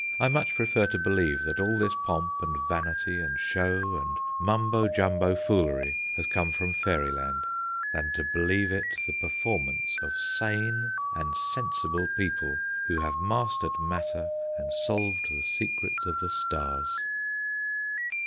I much prefer to believe that all this pomp, and vanity, and show, and mumbo jumbo foolery has come from fairyland, than to believe it the performance of sane and sensible people who have mastered matter and solved the secrets of the stars.